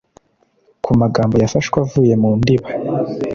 kumagambo yafashwe avuye mu ndiba